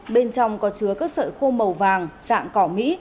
bên trong có chứa các sợi khô màu vàng dạng cỏ mỹ